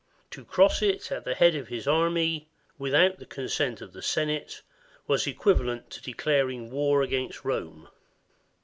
To cross it at the head of his army without the consent of the Senate was equivalent to declaring war against Rome.